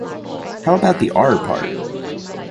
How about the R part?